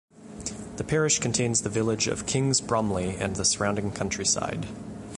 The parish contains the village of Kings Bromley and the surrounding countryside.